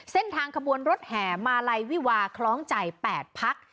เส้นทางขบวนรถแห่มาลัยวิวาคล้องใจ๘พัก